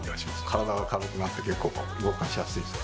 体が軽くなって結構動かしやすいです